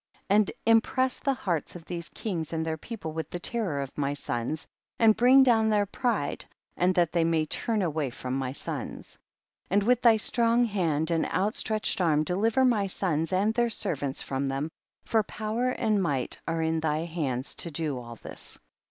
67. And impress the hearts of these kings and their people with the terror of my sons, and bring down their pride, and that they may turn away from my sons. 68. And with thy strong hand and outstretched arm deliver my sons and their servants from them, for power and might are in thy hands to do all this.